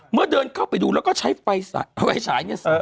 เมื่อเดินเข้าไปดูแล้วก็ใช้ไฟให้ฉาย